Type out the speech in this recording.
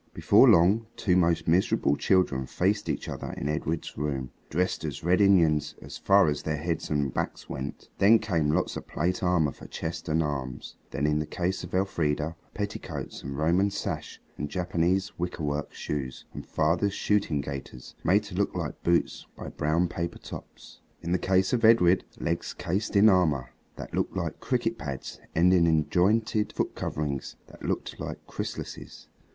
Before long two most miserable children faced each other in Edred's bedroom, dressed as Red Indians so far as their heads and backs went. Then came lots of plate armor for chest and arms; then, in the case of Elfrida, petticoats and Roman sash and Japanese wickerwork shoes and father's shooting gaiters made to look like boots by brown paper tops. And in the case of Edred, legs cased in armor that looked like cricket pads, ending in jointed foot coverings that looked like chrysalises.